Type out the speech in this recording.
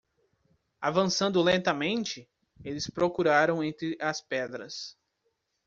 Avançando lentamente?, eles procuraram entre as pedras.